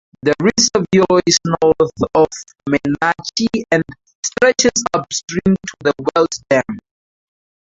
The reservoir is north of Wenatchee and stretches upstream to the Wells Dam.